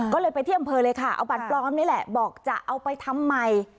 ก็เลยไปที่อำเภอเลยค่ะเอาบัตรปลอมนี่แหละบอกจะเอาไปทำใหม่